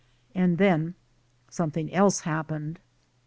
And then something else happened.